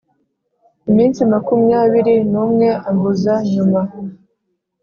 iminsi makumyabiri n umwe ambuza Nyuma